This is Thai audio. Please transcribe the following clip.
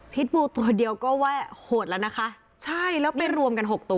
บูตัวเดียวก็ว่าโหดแล้วนะคะใช่แล้วไปรวมกันหกตัว